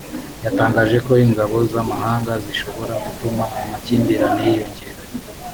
yatangaje ko ingabo z’amahanga zishobora gutuma amakimbirane yiyongera